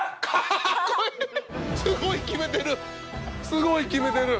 すごいキメてる！